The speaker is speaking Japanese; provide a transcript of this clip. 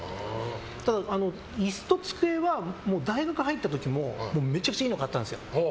ただ、椅子と机は大学入った時もめちゃくちゃいいの買ったんですよ。